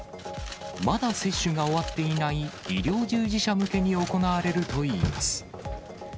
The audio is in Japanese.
まだ接種が終わっていない医療従事者向けに行われるといいます。